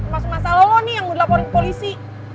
masa masalah lo nih yang gue laporin ke polisi